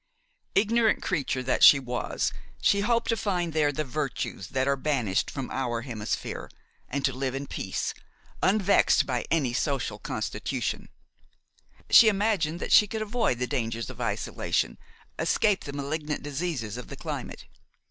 Ignorant creature that she was, she hoped to find there the virtues that are banished from our hemisphere, and to live in peace, unvexed by any social constitution; she imagined that she could avoid the dangers of isolation, escape the malignant diseases of the climate.